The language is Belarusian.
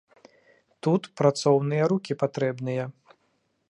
Тут працоўныя рукі патрэбныя.